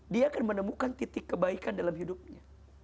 dia akan menemukan titik kebaikan dalam hidupnya